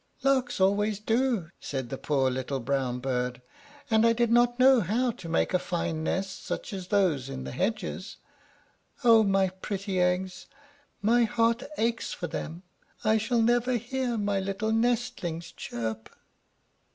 "Larks always do," said the poor little brown bird; "and I did not know how to make a fine nest such as those in the hedges. Oh, my pretty eggs! my heart aches for them! I shall never hear my little nestlings chirp!"